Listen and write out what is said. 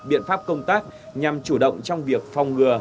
biện pháp công tác nhằm chủ động trong việc phòng ngừa